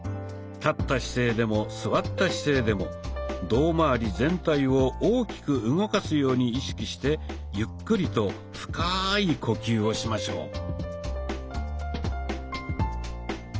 立った姿勢でも座った姿勢でも胴まわり全体を大きく動かすように意識してゆっくりと深い呼吸をしましょう。